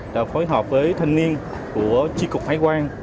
đã phối hợp với thanh niên của tri cục hải quan